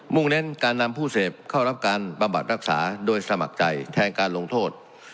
่งเน้นการนำผู้เสพเข้ารับการบำบัดรักษาโดยสมัครใจแทนการลงโทษ